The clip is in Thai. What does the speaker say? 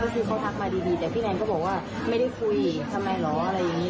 ก็คือเขาทักมาดีแต่พี่แนนก็บอกว่าไม่ได้คุยทำไมเหรออะไรอย่างนี้